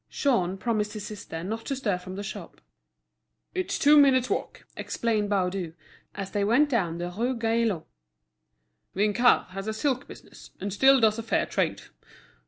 Jean promised his sister not to stir from the shop. "It's two minutes' walk," explained Baudu as they went down the Rue Gaillon; "Vinçard has a silk business, and still does a fair trade.